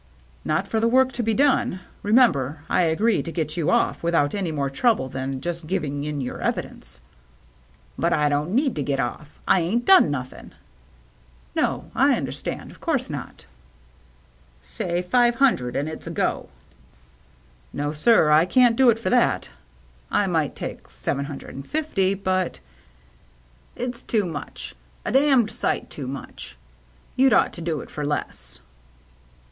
" Not for the work to be done. Remember, I agree to get you off without any more trouble than just giving in your evidence." " But I don't need to get off. I ain't done nothin'." " No, I understand. Of course not." THE RED SEAL LABEL 153 " Say five hundred, and it's a go." " No, sir. I can't do it for that. I might take seven hundred and fifty, but —" "It's too much, a sight too much. You*d ought to do it for less."